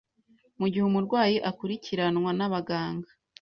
Mu gihe umurwayi akurikiranwa n’abaganga